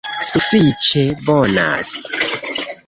Sufiĉe bonas